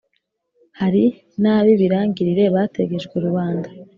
hari n’ab’ibirangirire bategejwe rubanda